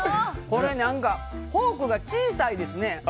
これ、フォークが小さいですね。